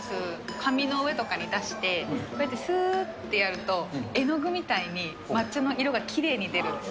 紙の上とかに出して、こうやってすーってやると絵の具みたいに、抹茶の色がきれいに出るんです。